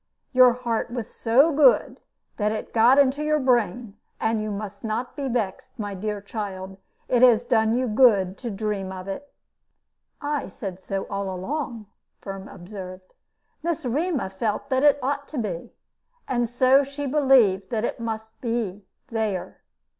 Your heart was so good that it got into your brain, and you must not be vexed, my dear child; it has done you good to dream of it." "I said so all along," Firm observed. "Miss Rema felt that it ought to be, and so she believed that it must be, there.